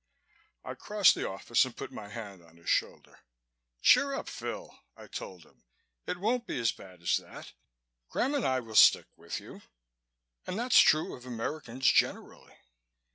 I crossed the office and put my hand on his shoulder. "Cheer up, Phil," I told him. "It won't be as bad as that. Graham and I will stick with you and that's true of Americans generally."